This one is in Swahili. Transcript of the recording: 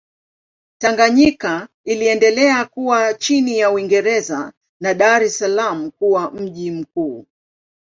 Tanganyika iliendelea kuwa chini ya Uingereza na Dar es Salaam kuwa mji mkuu.